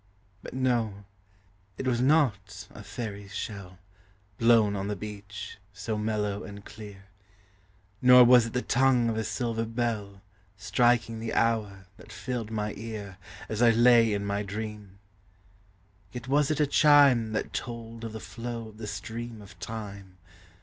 " But no; it was not a fairy's shell, Blown on the beach, so mellow and clear; Nor was it the tongue of a silver bell, Striking the hour, that filled my ear, As I lay in my dream; jet was it a chime That told of the flow of the stream of time.